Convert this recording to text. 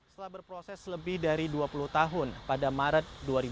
setelah berproses lebih dari dua puluh tahun pada maret dua ribu dua puluh